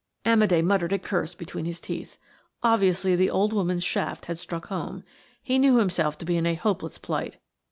Amédé muttered a curse between his teeth. Obviously the old woman's shaft had struck home. He knew himself to be in a hopeless plight.